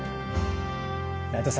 内藤さん